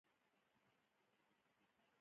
ایا زه باید په ښار کې اوسم؟